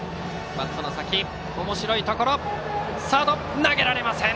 サード、投げられません！